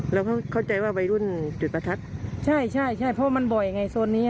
เราเข้าใจว่าวัยรุ่นจุดประทัดใช่ใช่เพราะมันบ่อยไงโซนนี้